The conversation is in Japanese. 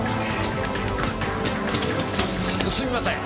すみません！